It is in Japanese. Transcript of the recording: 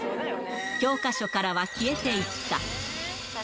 教科書からは消えていった。